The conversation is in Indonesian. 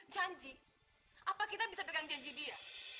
janji apa kita bisa pegang janji dia